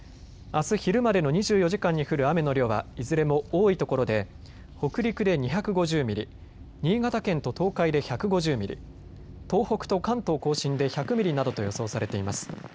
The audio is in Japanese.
あす昼までの２４時間に降る雨の量はいずれも多いところで北陸で２５０ミリ、新潟県と東海で１５０ミリ、東北と関東甲信で１００ミリなどと予想されています。